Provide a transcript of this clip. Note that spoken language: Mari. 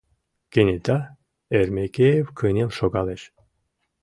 Кенета Эрмекеев кынел шогалеш.